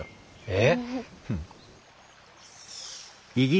えっ？